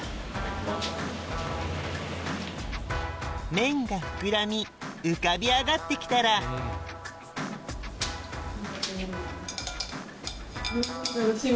・麺が膨らみ浮かび上がって来たら楽しみ。